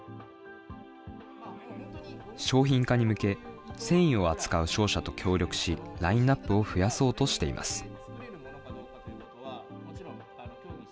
商品化に向け、繊維を扱う商社と協力し、ラインナップを増やそうとしています。